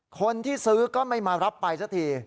คนที่ซื้อก็ไม่มารับไปสักที